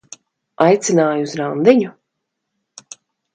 Aicināja uz randiņu?